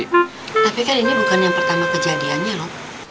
tapi kan ini bukan yang pertama kejadiannya loh